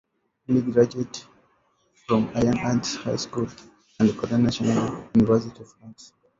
Lee graduated from Anyang Arts High School and Korea National University of Arts.